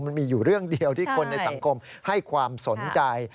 มันมีอยู่เรื่องเดียวที่คนในสังคมให้ความสนใจ